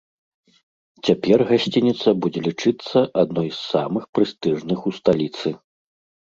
Цяпер гасцініца будзе лічыцца адной з самых прэстыжных у сталіцы.